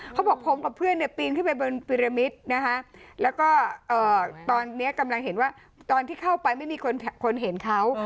เขาบอกผมกับเพื่อนเนี่ยปีนขึ้นไปบนปีรมิตนะคะแล้วก็ตอนนี้กำลังเห็นว่าตอนที่เข้าไปไม่มีคนเห็นเขา